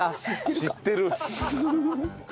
知ってる。